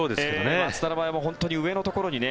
松田の場合も上のところにね。